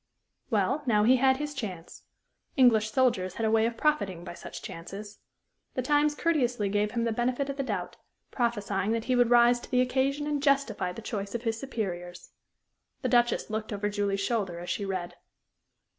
Well, now he had his chance. English soldiers had a way of profiting by such chances. The Times courteously gave him the benefit of the doubt, prophesying that he would rise to the occasion and justify the choice of his superiors. The Duchess looked over Julie's shoulder as she read.